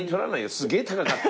すげぇ高かった。